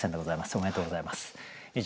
おめでとうございます。